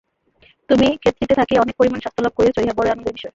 তুমি খেতড়িতে থাকিয়া অনেক পরিমাণে স্বাস্থ্যলাভ করিয়াছ, ইহা বড়ই আনন্দের বিষয়।